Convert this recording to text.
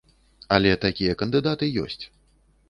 Але такія кандыдаты ёсць.